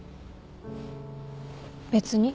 別に。